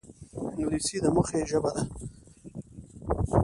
انګلیسي د موخې ژبه ده